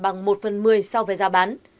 bằng một phần một mươi so với giao bán